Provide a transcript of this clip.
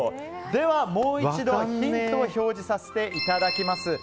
では、もう一度ヒントを表示させていただきます。